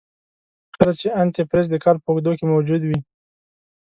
ښه ده چې انتي فریز دکال په اوږدو کې موجود وي.